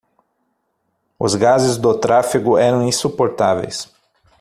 Os gases do tráfego eram insuportáveis.